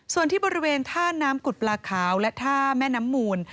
ส่วนที่บริเวณท่าน้ำกุฎปลาขาวและท่าแม่น้ำมูล